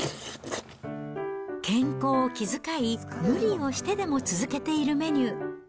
健康を気遣い無理をしてでも続けているメニュー。